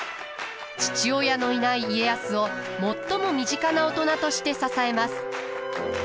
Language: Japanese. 父親のいない家康を最も身近な大人として支えます。